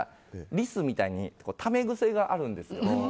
リスみたいにため癖があるんですよ。